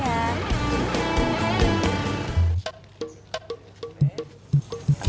waalaikumsalam kang lidoy